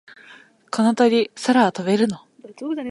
この鳥、空は飛べるの？